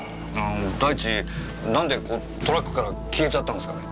第一なんでトラックから消えちゃったんですかね？